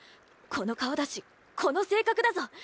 この顔だしこの性格だぞ。